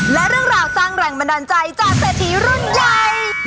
และเรื่องราวสร้างแรงบันดาลใจจากเศรษฐีรุ่นใหญ่